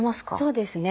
そうですね。